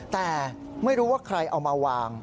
แต่ไม่รู้ว่าใครเอามาวาง